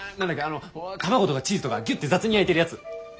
あの卵とかチーズとかギュッて雑に焼いてるやつ。